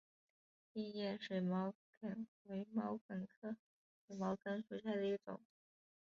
硬叶水毛茛为毛茛科水毛茛属下的一个种。